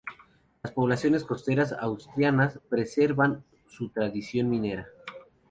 Las poblaciones costeras asturianas preservan su tradición marinera.